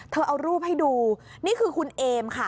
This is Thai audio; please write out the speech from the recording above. เอารูปให้ดูนี่คือคุณเอมค่ะ